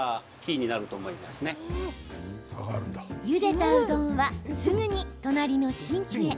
ゆでたうどんはすぐに隣のシンクへ。